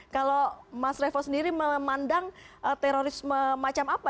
kalau mas revo sendiri memandang terorisme macam apa